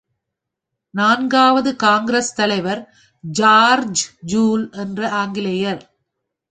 நான்காவது காங்கிரஸ் தலைவர் ஜார்ஜ்யூல் என்ற ஆங்கிலேயர்.